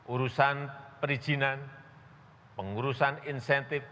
urusan perizinan pengurusan insentif